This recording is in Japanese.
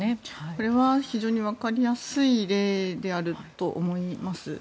これは非常にわかりやすい例であると思います。